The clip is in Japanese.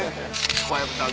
小籔さん